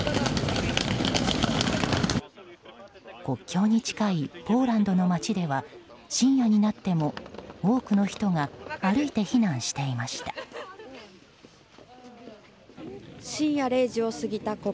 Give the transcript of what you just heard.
国境に近いポーランドの街では深夜になっても多くの人が歩いて避難していました。